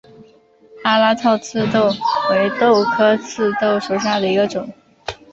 阿拉套棘豆为豆科棘豆属下的一个种。